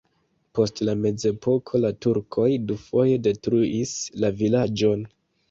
Post la mezepoko la turkoj dufoje detruis la vilaĝon.